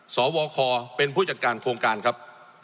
สวคเป็นผู้จัดการโครงการครับ